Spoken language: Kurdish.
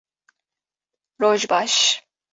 - Roj baş.